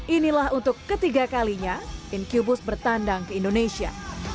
inilah untuk ketiga kalinya incubus bertandang ke indonesia